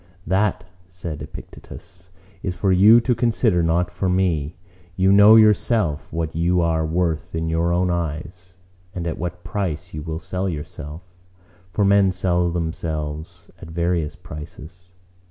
"That," said Epictetus, "is for you to consider, not for me. You know yourself what you are worth in your own eyes; and at what price you will sell yourself. For men sell themselves at various prices.